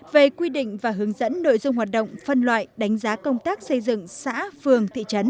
về quy định và hướng dẫn nội dung hoạt động phân loại đánh giá công tác xây dựng xã phường thị trấn